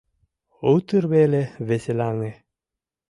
Утыр веле веселаҥе.